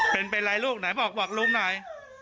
เป็นอะไรลูกไหนบอกลูกไหน